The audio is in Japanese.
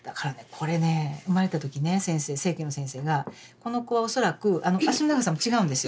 これね生まれた時ね先生整形の先生がこの子は恐らくあの脚の長さも違うんですよ